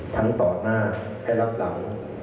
ต่อหน้าให้รับหลัง